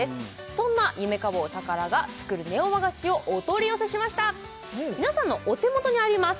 そんな夢菓房たからが作るネオ和菓子をお取り寄せしました皆さんのお手元にあります